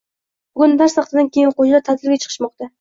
Bugun dars vaqtidan keyin o'quvchilar ta'tilga chiqishmoqda